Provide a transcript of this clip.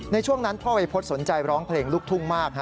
ในช่วงนั้นพ่อวัยพฤษสนใจร้องเพลงลูกทุ่งมาก